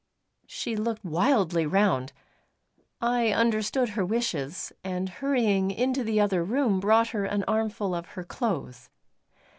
She looked wildly round. I understood her wishes, and hurrying into the other room brought her an armful of her clothes.